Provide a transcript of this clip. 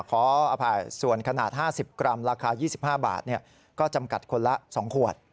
ขออภัยส่วนขนาด๕๐กรัมราคา๒๕บาทก็จำกัดคนละ๒ขวด